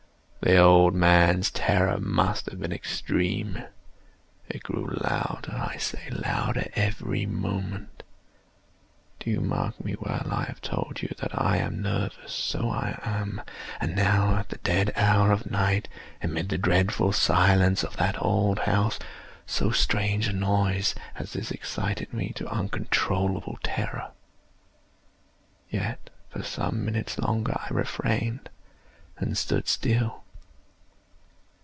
The old man's terror must have been extreme! It grew louder, I say, louder every moment!—do you mark me well? I have told you that I am nervous: so I am. And now at the dead hour of the night, amid the dreadful silence of that old house, so strange a noise as this excited me to uncontrollable terror. Yet, for some minutes longer I refrained and stood still.